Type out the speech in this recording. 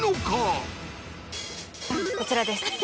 こちらです。